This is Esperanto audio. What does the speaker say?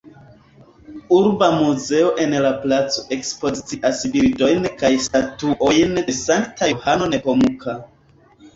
Urba muzeo en la placo ekspozicias bildojn kaj statuojn de sankta Johano Nepomuka.